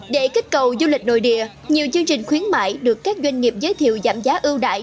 để kích cầu du lịch nội địa nhiều chương trình khuyến mại được các doanh nghiệp giới thiệu giảm giá ưu đại